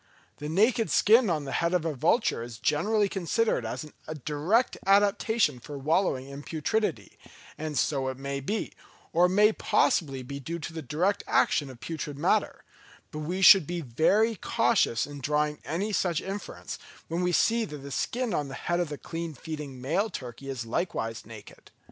The naked skin on the head of a vulture is generally considered as a direct adaptation for wallowing in putridity; and so it may be, or it may possibly be due to the direct action of putrid matter; but we should be very cautious in drawing any such inference, when we see that the skin on the head of the clean feeding male turkey is likewise naked.